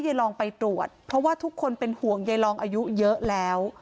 ยายลองไปตรวจเพราะว่าทุกคนเป็นห่วงใยลองอายุเยอะแล้ว